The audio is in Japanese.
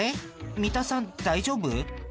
三田さん大丈夫？